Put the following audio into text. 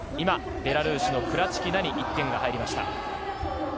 ベラルーシのクラチキナに１点が入りました。